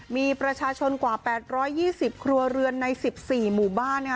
มีประชาชนกว่า๘๒๐ครัวเรือนใน๑๔หมู่บ้าน